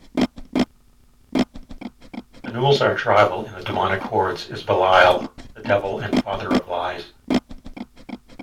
Phanuel's arch-rival in the demonic hordes is Belial the Devil and father of lies.